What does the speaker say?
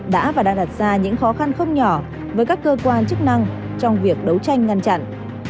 đã và đang đặt ra những khó khăn không nhỏ với các cơ quan chức năng trong việc đấu tranh ngăn chặn